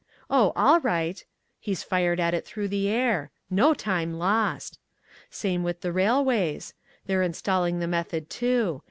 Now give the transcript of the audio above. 'Oh, all right.' He's fired at it through the air. No time lost. Same with the railways. They're installing the Method, too.